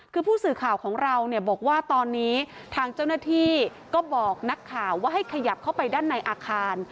คือผู้สื่อข่าวของเราเนี่ยบอกว่าตอนนี้ทางเจ้าหน้าที่ก็บอกนักข่าวว่าให้ขยับเข้าไปด้านในอาคาร